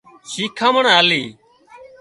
شيکامڻ آلي